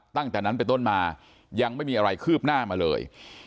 ตั้งแต่นั้นไปต้นมายังไม่มีอะไรคืบหน้ามาเลย